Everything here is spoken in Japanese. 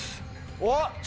おっ！